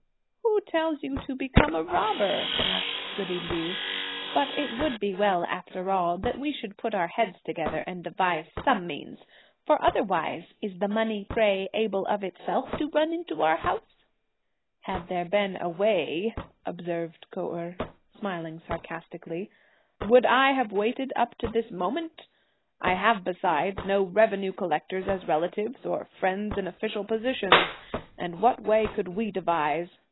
"Who tells you to become a robber?" asked goody Liu. "But it would be well, after all, that we should put our heads together and devise some means; for otherwise, is the money, pray, able of itself to run into our house?" "Had there been a way," observed Kou Erh, smiling sarcastically, "would I have waited up to this moment? I have besides no revenue collectors as relatives, or friends in official positions; and what way could we devise?